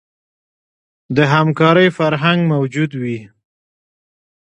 د همکارۍ فرهنګ موجود وي.